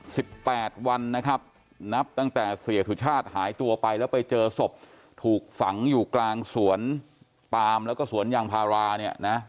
สิบแปดวันนะครับนับตั้งแต่เสียสุชาติหายตัวไปแล้วไปเจอศพถูกฝังอยู่กลางสวนปามแล้วก็สวนยางพาราเนี่ยนะ